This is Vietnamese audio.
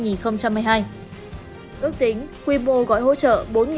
ước tính quy mô gọi hỗ trợ